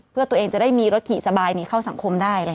เพื่อตัวเองจะได้มีรถขี่สบายหนีเข้าสังคมได้